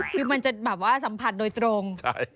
คือมันจะแบบว่าสัมผัสโดยตรง